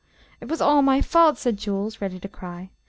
"It was all my fault," said Jules, ready to cry.